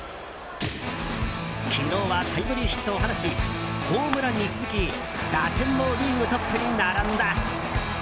昨日はタイムリーヒットを放ちホームランに続き打点もリーグトップに並んだ。